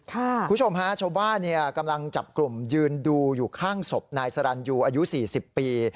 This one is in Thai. คุณผู้ชมฮะชาวบ้านกำลังจับกลุ่มยืนดูอยู่ข้างศพนายสรรยูอายุ๔๐ปี